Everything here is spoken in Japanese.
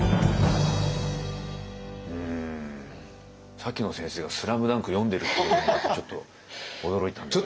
さっきの先生が「ＳＬＡＭＤＵＮＫ」読んでるっていうのもちょっと驚いたんですけど。